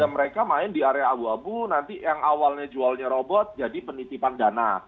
mereka main di area abu abu nanti yang awalnya jualnya robot jadi penitipan dana